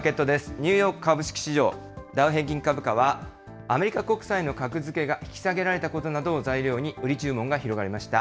ニューヨーク株式市場、ダウ平均株価はアメリカ国債の格付けが引き下げられたことなどを材料に、売り注文が広がりました。